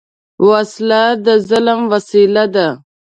وسله د ظلم وسیله ده